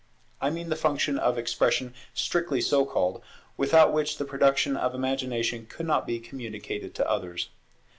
I mean the function of Expression strictly so called, without which the product of imagination could not be communicated to others.